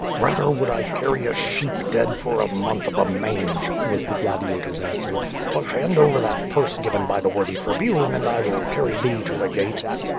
"Rather would 1 carry a sheep dead for a month of the mange," was the gladiator's answer, "but hand over that purso given by the worthy Tribune, and I will carry thee to the gate."